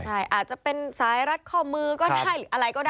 ใช่อาจจะเป็นสายรัดข้อมือก็ได้หรืออะไรก็ได้